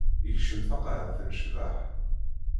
Ikcem taqaɛet n ccḍeḥ.